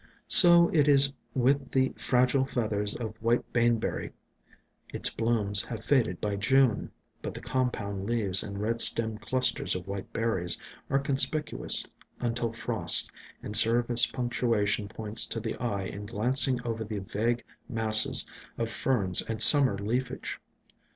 So it is with the fragile feathers of White Baneberry ; its blooms have faded by June, but the compound leaves and red stemmed clusters of white berries are conspicuous until frost and serve as punctuation points to the eye in glancing over the vague masses of Ferns and Summer leafage.